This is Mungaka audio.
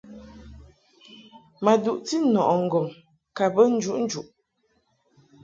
Ma duʼti nɔʼɨ ŋgɔŋ ka bə njuʼnjuʼ.